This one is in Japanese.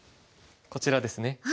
こちらですね。